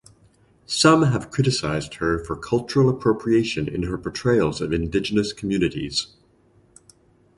Some have criticized her for cultural appropriation in her portrayals of Indigenous communities.